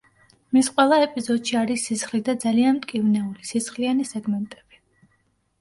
მის ყველა ეპიზოდში არის სისხლი და ძალიან მტკივნეული, სისხლიანი სეგმენტები.